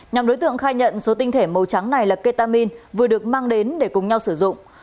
nhóm đối tượng khai nhận số tinh thể màu trắng này là ketamin vừa được mang đến để cùng nhau sử dụng